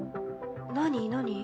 何何？